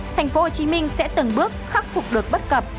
thành phố hồ chí minh sẽ từng bước khắc phục được bất cập